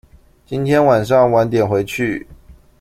今天晚上晚點回去